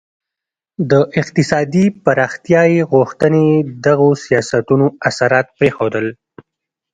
د اقتصادي پراختیايي غوښتنې دغو سیاستونو اثرات پرېښودل.